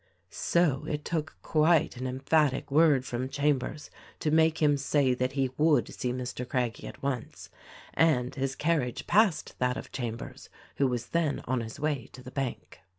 So, it took quite an emphatic word from Chambers to make him say that he would see Mr. Craggie at once ; and his carriage passed that of Chambers who was then on his way to the Bank.